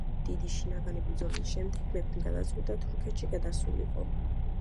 დიდი შინაგანი ბრძოლის შემდეგ, მეფემ გადაწყვიტა თურქეთში გადასულიყო.